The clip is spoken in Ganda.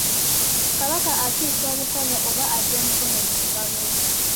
Kabaka akisa omukono oba aggya omukono mu ngabo.